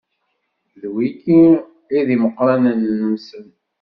D wigi i d imeqranen-nsen.